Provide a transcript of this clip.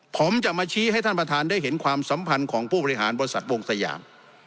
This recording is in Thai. ผมจะมาชี้ให้ท่านประธานได้เห็นความสัมพันธ์ของผู้บริหารบริษัทวงสยาม